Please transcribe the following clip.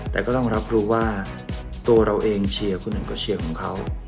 แต่ก็ต้องรับรู้ว่าตัวเราเองเชียร์คนอื่นก็เชียร์ของเขา